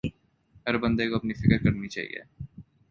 ہر بندے کو اپنی فکر کرنی چاہئے